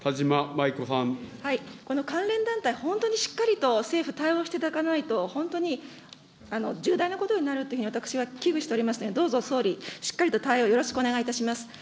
この関連団体、本当にしっかりと政府、対応していただかないと、本当に重大なことになるというふうに、私は危惧しておりますので、どうぞ総理、しっかりと対応よろしくお願いいたします。